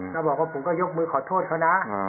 แล้วบอกว่าผมก็ยกมือขอโทษนะ